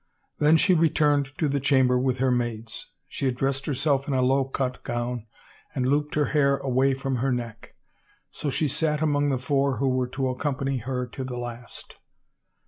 Then she returned to the chamber with her maids. She had dressed herself in a low cut gown, and looped her hair away from her neck. So she sat among the four who were to accompany her to the last.